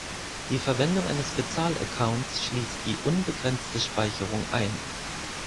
Die Verwendung eines Bezahl-Accounts schließt die unbegrenzte Speicherung ein.